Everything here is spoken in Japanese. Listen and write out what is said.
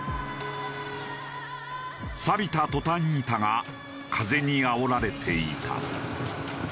さびたトタン板が風にあおられていた。